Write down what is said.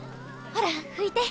ほら拭いて。